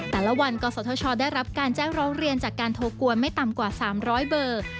แต่ละวันกศธชได้รับการแจ้งร้องเรียนจากการโทรกวนไม่ต่ำกว่า๓๐๐เบอร์